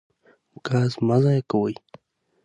ګاز مه ضایع کوئ.